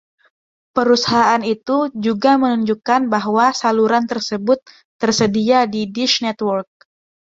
Perusahaan itu juga menunjukkan bahwa saluran tersebut tersedia di Dish Network.